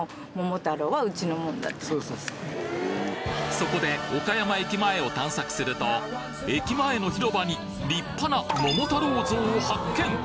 そこで岡山駅前を探索すると駅前の広場に立派な桃太郎像を発見！